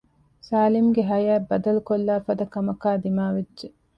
ސާލިމްގެ ހަޔާތް ބަދަލުކޮށްލާފަދަ ކަމަކާ ދިމާވެއްޖެ